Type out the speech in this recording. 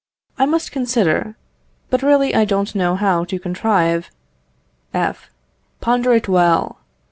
I must consider. But really I don't know how to contrive F. Ponder it well.